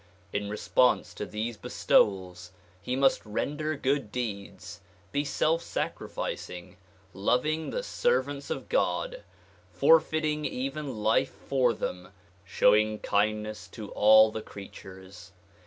In response to these be stowals he must render good deeds, be self sacrificing, loving the servants of God, forfeiting even life for them, showing kindness to all the creatures.